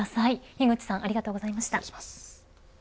樋口さんありがとうございました。